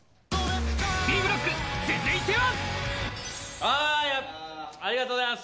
Ｂブロック、続いては。